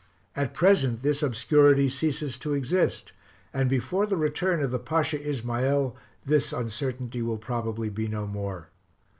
At present this obscurity ceases to exist, and before the return of the Pasha Ismael this uncertainty will probably be no more.